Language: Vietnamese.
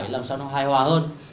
làm sao nó hoài hòa hơn